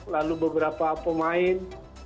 lalu beberapa pemain